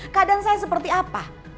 keadaan saya seperti apa